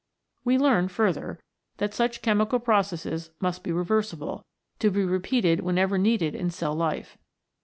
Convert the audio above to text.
We learn, further, that such chemical processes must be reversible, to be repeated whenever needed in cell life.